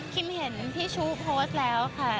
เห็นพี่ชู้โพสต์แล้วค่ะ